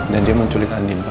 dan dia menculik andin pak